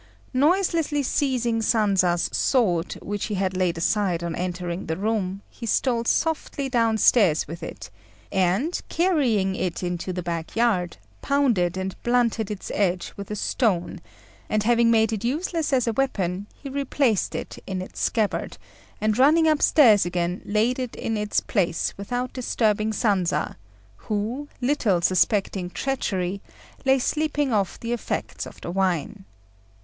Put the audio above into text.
Noiselessly seizing Sanza's sword, which he had laid aside on entering the room, he stole softly downstairs with it, and, carrying it into the back yard, pounded and blunted its edge with a stone, and having made it useless as a weapon, he replaced it in its scabbard, and running upstairs again laid it in its place without disturbing Sanza, who, little suspecting treachery, lay sleeping off the effects of the wine.